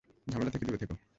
ঝামেলা থেকে দূরে থেকো।